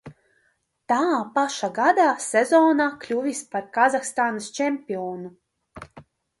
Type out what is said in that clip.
Tā paša gada sezonā kļuvis par Kazahstānas čempionu.